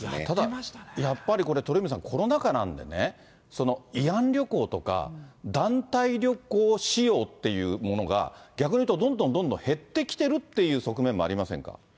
ただ、やっぱりこれ、鳥海さん、コロナ禍なんでね、慰安旅行とか、団体旅行仕様っていうものが、逆にいうと、どんどんどんどん減ってきてるっていう、側面もありませんか？